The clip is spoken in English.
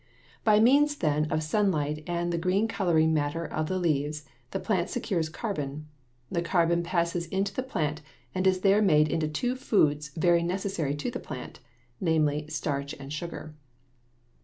By means, then, of sunlight and the green coloring matter of the leaves, the plant secures carbon. The carbon passes into the plant and is there made into two foods very necessary to the plant; namely, starch and sugar.